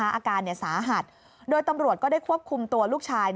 อาการสาหัสโดยตำรวจก็ได้ควบคุมตัวลูกชาย